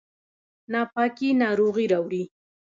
ناپاکي ناروغي راوړي